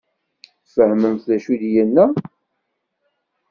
Tfehmemt d acu i d-yenna?